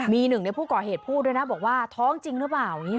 มีหนึ่งในผู้ก่อเหตุพูดด้วยนะบอกว่าท้องจริงหรือเปล่าอย่างนี้